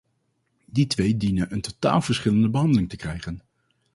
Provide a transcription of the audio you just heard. Die twee dienen een totaal verschillende behandeling te krijgen.